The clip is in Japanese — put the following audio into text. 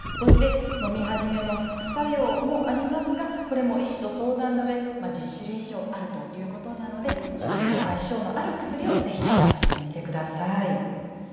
のみ始めの副作用もありますがこれも医師と相談のうえ１０種類以上あるということなので自分と相性の合う薬をぜひ探してみてください。